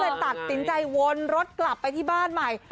ตัดสินใจวนรถกลับไปที่บ้านใหม่